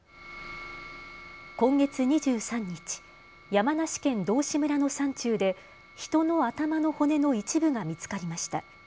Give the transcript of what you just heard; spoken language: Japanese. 今月２３日、山梨県道志村の山中で人の頭の骨の一部が見つかりました。